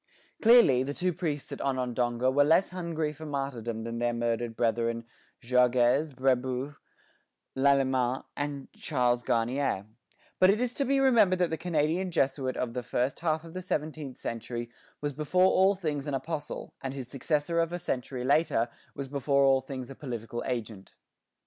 Clearly, the two priests at Onondaga were less hungry for martyrdom than their murdered brethren Jogues, Brébeuf, Lalemant, and Charles Garnier; but it is to be remembered that the Canadian Jesuit of the first half of the seventeenth century was before all things an apostle, and his successor of a century later was before all things a political agent.